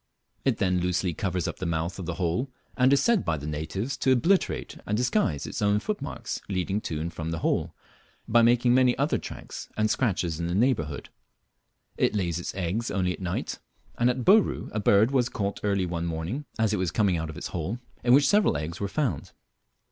It then loosely covers up the mouth of the hole, and is said by the natives to obliterate and disguise its own footmarks leading to and from the hole, by making many other tracks and scratches in the neighbourhood. It lays its eggs only at night, and at Bouru a bird was caught early one morning as it was coming out of its hole, in which several eggs were found.